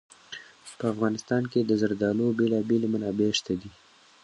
په افغانستان کې د زردالو بېلابېلې منابع شته دي.